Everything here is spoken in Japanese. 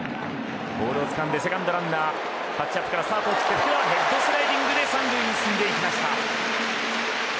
ボールをつかんでセカンドランナータッチアップ、ヘッドスライディングで三塁に進んできました。